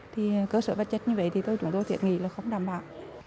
thì cơ sở vật chất như vậy thì tôi chúng tôi thiệt nghĩ là không đảm bảo